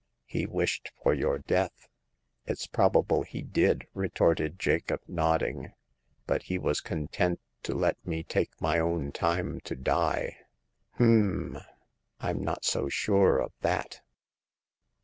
" He wished for your death." " It's probable he did,*' retorted Jacob, nod ding ; but he was content to let me take my own time to die." '' Km ! Vm not so sure of that